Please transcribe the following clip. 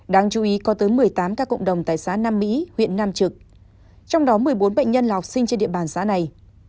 đáng chú ý có tới một mươi tám ca cộng đồng tại xã nam mỹ huyện nam trực trong đó một mươi bốn bệnh nhân là học sinh trên địa bàn xã này